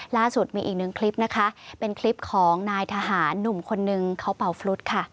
ล่าสุดมีอีกหนึ่งคลิปนะคะเป็นคลิปของนายทหารหนุ่มคนนึงเขาเป่าฟรุดค่ะ